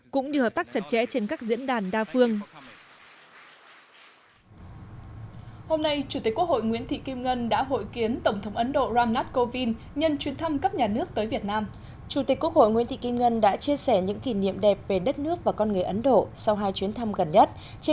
cũng như hợp tác chặt chẽ